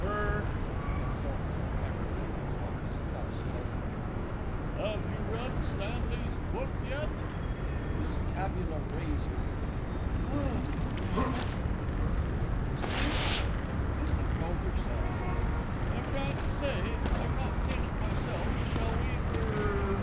Er (consults some hieroglyphics on his cuff stealthily) have you read Stanley's book yet? MISS TABULA RAISER. No, I haven't. Is it interesting? MR. CULDERSACK. I can't say. I've not seen it myself. Shall we er